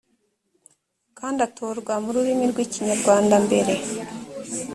kandi atorwa mu rurimi rw ikinyarwanda mbere